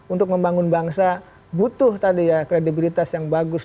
untuk membangun bangsa butuh tadi ya kredibilitas yang bagus